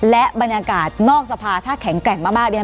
และบรรยากาศนอกสภาถ้าแข็งแกร่งมากเนี่ย